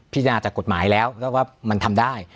พิจารณาจากกฎหมายแล้วแล้วว่ามันทำได้